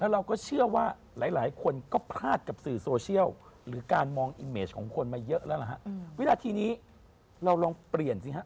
แล้วล่ะฮะเวลาทีนี้เราลองเปลี่ยนสิฮะ